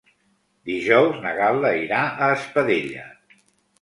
Dijous na Gal·la irà a Espadella.